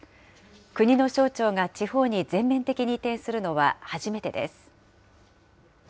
国の省庁が地方に全面的に移転するのは初めてです。